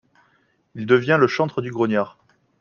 Il devient le chantre du Grognard.